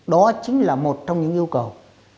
đó chính là một trong những yêu cầu